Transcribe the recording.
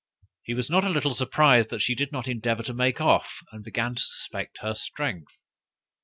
He was not a little surprised that she did not endeavor to make off, and began to suspect her strength.